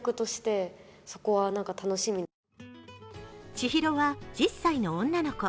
千尋は１０歳の女の子。